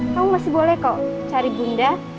kamu masih boleh kok cari bunda